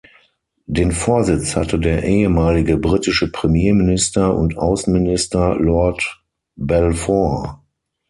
Den Vorsitz hatte der ehemalige britische Premierminister und Außenminister Lord Balfour.